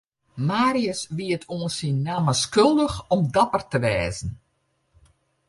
Marius wie it oan syn namme skuldich om dapper te wêze.